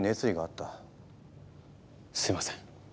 すいません。